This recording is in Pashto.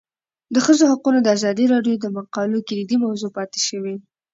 د ښځو حقونه د ازادي راډیو د مقالو کلیدي موضوع پاتې شوی.